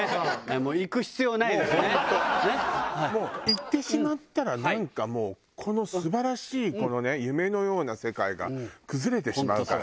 行ってしまったらなんかもうこの素晴らしい夢のような世界が崩れてしまうから。